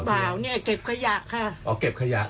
เปล่าฉันเก็บขยะค่ะ